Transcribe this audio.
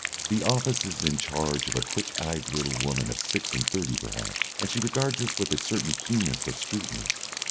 The office is in charge of a quick eyed little woman of six and thirty perhaps, and she regards us with a certain keenness of scrutiny.